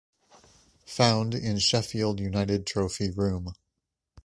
Found in Sheffield United Trophy Room.